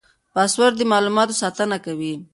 پاسورډ د معلوماتو ساتنه کوي.